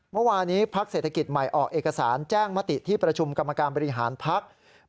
เมื่อวานี้พักเศรษฐกิจใหม่ออกเอกสารแจ้งมติที่ประชุมกรรมการบริหารภักดิ์